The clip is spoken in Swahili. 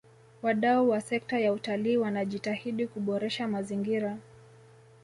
wadau wa sekta ya utalii wanajitahidi kuboresha mazingira